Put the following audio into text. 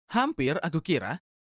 hampir aku kira